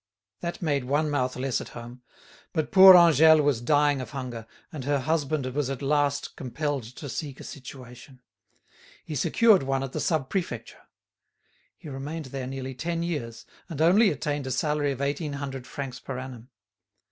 That made one mouth less at home; but poor Angèle was dying of hunger, and her husband was at last compelled to seek a situation. He secured one at the Sub Prefecture. He remained there nearly ten years, and only attained a salary of eighteen hundred francs per annum.